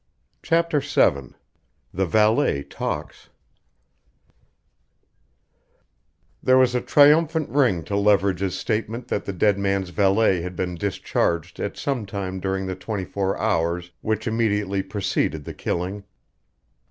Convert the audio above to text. CHAPTER VII THE VALET TALKS There was a triumphant ring to Leverage's statement that the dead man's valet had been discharged at some time during the twenty four hours which immediately preceded the killing.